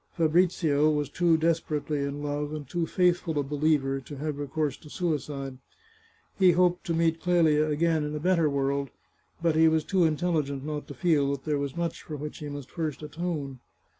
Fabrizio was too desperately in love, and too faithful a believer, to have recourse to suicide. He hoped to meet Clelia again in a better world, but he was too intelligent not to feel that there was much for which he must first atone.